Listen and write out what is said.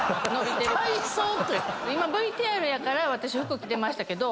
今ＶＴＲやから私服着てましたけど。